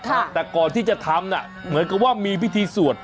แต่ก่อนที่จะทำน่ะเหมือนกับว่ามีพิธีสวด